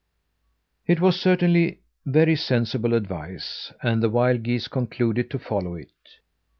It was certainly very sensible advice, and the wild geese concluded to follow it.